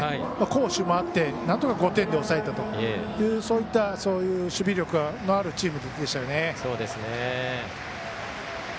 好守もあってなんとか５点で抑えたというそういった守備力のあるチームでしたね。